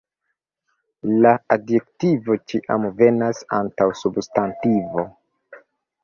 La adjektivo ĉiam venas antaŭ substantivo.